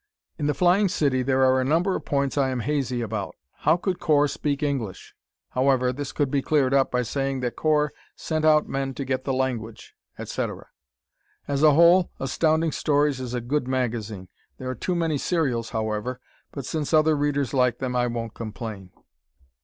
In "The Flying City" there are a number of points I am hazy about. How could Cor speak English? However, this could be cleared up by saying that Cor sent out men to get the language, etc. As a whole, Astounding Stories is a good magazine. There are too many serials, however, but since other readers like them I won't complain.